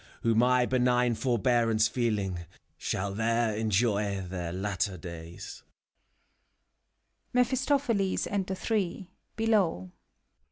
Who, my benign forbearance feeling, Shall there enjoy their latter days.